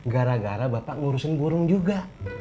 gara gara bapak ngurusin burung juga